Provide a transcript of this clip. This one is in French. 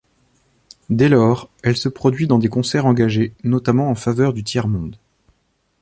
Dès lors, elle se produit dans des concerts engagés, notamment en faveur du tiers-monde.